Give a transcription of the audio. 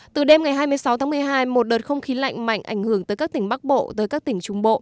từ đêm ngày hai mươi sáu tháng một mươi hai một đợt không khí lạnh mạnh ảnh hưởng tới các tỉnh bắc bộ tới các tỉnh trung bộ